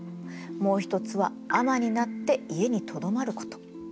もう一つは尼になって家にとどまること。